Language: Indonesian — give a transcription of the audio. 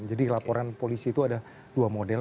jadi laporan polisi itu ada dua model